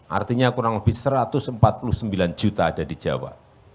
artinya kurang lebih satu ratus empat puluh sembilan juta ada di jawa